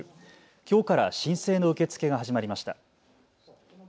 きょうから申請の受け付けが始まりました。